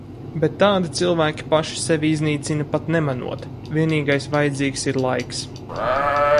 Bet tādi cilvēki paši sevi iznīcina pat nemanot, vienīgais vajadzīgs ir laiks.